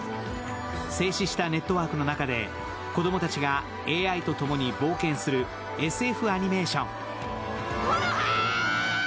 静止したネットワークの中で子供たちがＡＩと共に冒険するＳＦアニメーション。